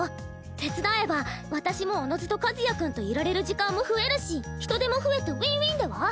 手伝えば私もおのずと和也君といられる時間も増えるし人手も増えてウィンウィンでは？